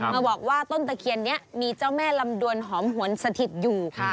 มาบอกว่าต้นตะเคียนนี้มีเจ้าแม่ลำดวนหอมหวนสถิตอยู่